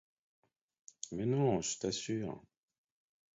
Mais non, je t’assure…